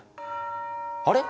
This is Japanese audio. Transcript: あれ？